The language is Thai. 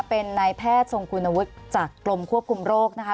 เป็นนายแพทย์ทรงคุณวุฒิจากกรมควบคุมโรคนะคะ